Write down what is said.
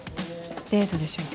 デートでしょう。